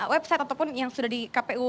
website ataupun yang sudah di kpu